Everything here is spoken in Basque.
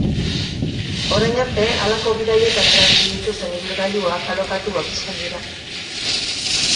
Orain arte halako bidaietan erabili dituzten ibilgailuak alokatuak izan dira.